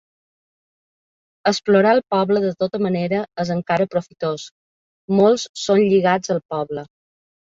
Explorar el poble de tota manera és encara profitós; molts són lligats al poble.